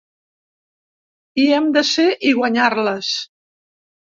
Hi hem de ser i guanyar-les.